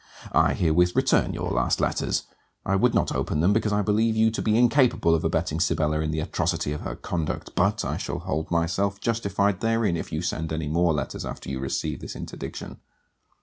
I herewith return your last letters. I would not open them, because I believe you to be incapable of abetting Sibella in the atrocity of her conduct, but I shall hold myself justified therein if you send any more letters after you receive this interdiction.